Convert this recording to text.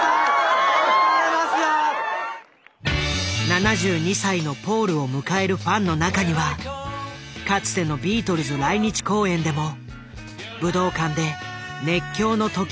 ７２歳のポールを迎えるファンの中にはかつてのビートルズ来日公演でも武道館で熱狂の時を過ごした人々が。